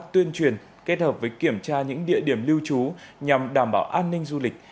tuyên truyền kết hợp với kiểm tra những địa điểm lưu trú nhằm đảm bảo an ninh du lịch